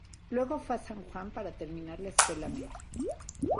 Luego fue a San Juan para terminar la escuela media.